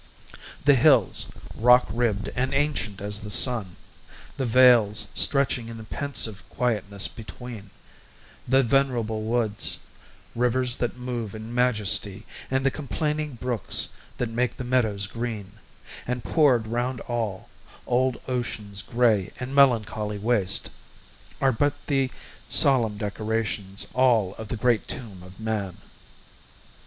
The hills Rock ribbed and ancient as the sun, the vales Stretching in pensive quietness between; The venerable woods rivers that move In majesty, and the complaining brooks That make the meadows green; and, poured round all, Old Ocean's gray and melancholy waste, Are but the solemn decorations all Of the great tomb of man.